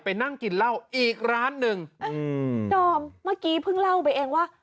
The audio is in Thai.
นั่งกินเหล้าอีกร้านหนึ่งอืมดอมเมื่อกี้เพิ่งเล่าไปเองว่า